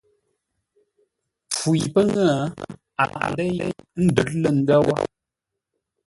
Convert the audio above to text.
Mpfu yi pə́ ŋə́, a lâghʼ ńdéi ńdə̌r lə̂ ndə̂ wə̂.